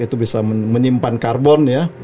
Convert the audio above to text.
itu bisa menyimpan karbon ya